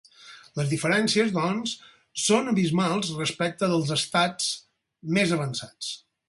Les diferències, doncs, són abismals respecte dels estats més avançats.